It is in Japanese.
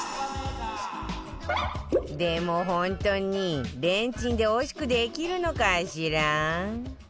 でも本当にレンチンでおいしくできるのかしら？